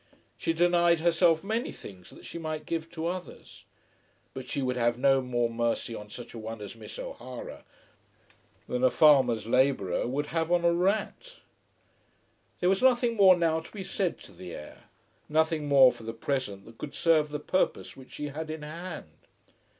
She denied herself many things that she might give to others. But she would have no more mercy on such a one as Miss O'Hara, than a farmer's labourer would have on a rat! There was nothing more now to be said to the heir; nothing more for the present that could serve the purpose which she had in hand.